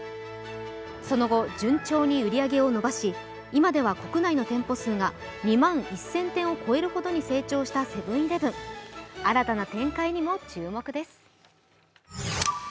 その後、順調に売り上げを伸ばし今では、国内の店舗数が２万１０００点を超えるほどに成長したセブン−イレブン新たな展開にも注目です。